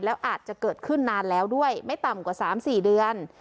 แล้วอาจจะเกิดขึ้นนานแล้วด้วยไม่ต่ำกว่า๓๔เดือน